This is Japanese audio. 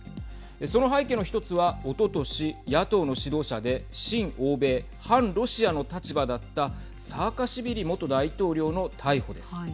その背景の１つは、おととし野党の指導者で親欧米・反ロシアの立場だったサーカシビリ元大統領の逮捕です。